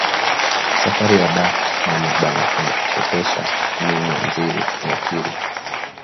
Safari ya ba mama bana ichofesha mu mwenji ya piri